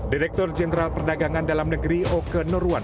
direktur jenderal perdagangan dalam negeri oke nurwan